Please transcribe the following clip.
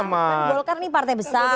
golkar ini partai besar